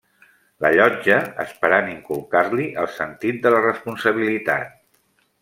L'allotja esperant inculcar-li el sentit de la responsabilitat.